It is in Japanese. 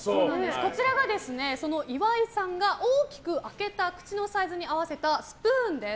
こちらが、岩井さんが大きく開けた口のサイズに合わせたスプーンです。